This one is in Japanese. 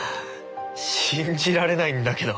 信じられないんだけど。